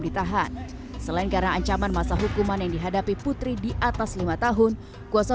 ditahan selain karena ancaman masa hukuman yang dihadapi putri di atas lima tahun kuasa